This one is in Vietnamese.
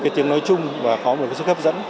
cái tiếng nói chung và có một cái sức hấp dẫn